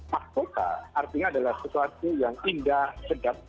mahkota artinya adalah sesuatu yang indah sedap